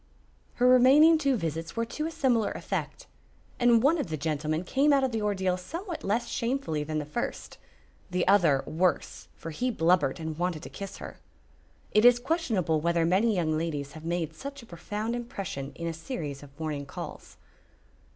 Her remaining two visits were to a similar effect, and one of the gentlemen came out of the ordeal somewhat less shamefully than the first, the other worse, for he blubbered and wanted to kiss her. It is questionable whether many young ladies have made such a profound impression in a series of morning calls.